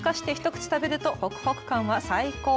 ふかして一口食べるとホクホク感が最高。